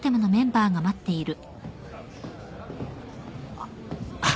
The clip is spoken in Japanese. あっ。